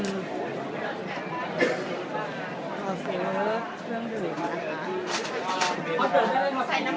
ขอเสื้อเครื่องดื่มนะคะ